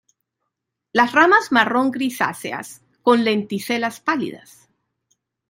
Las ramas marrón grisáceas, con lenticelas pálidas.